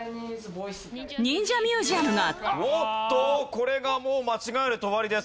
これがもう間違えると終わりです。